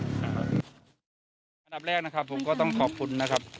อันดับแรกนะครับผมก็ต้องขอบคุณนะครับ